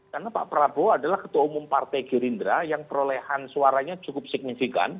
karena pak prabowo adalah ketua umum partai girindra yang perolehan suaranya cukup signifikan